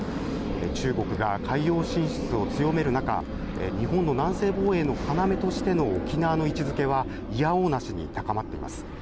中国が海洋進出を強める中、日本の南西防衛の要としての沖縄の位置づけはいやおうなしに高まっています。